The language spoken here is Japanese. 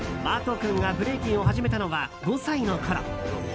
君がブレイキンを始めたのは５歳のころ。